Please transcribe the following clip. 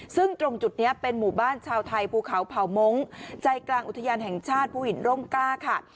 ซึ่งตรงจุดนี้เป็นหมู่บ้านชาวไทยภูเขาเผ่ามงค์ใจกลางอุทยานแห่งชาติภูหินร่มกล้าค่ะ